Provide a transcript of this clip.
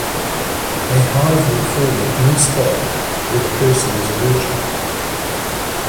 A hive will form at any spot where the person is allergic.